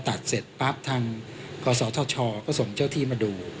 เสร็จปั๊บทางกศธชก็ส่งเจ้าที่มาดู